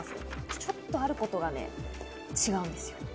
ちょっと、あることがね、違うんですよ。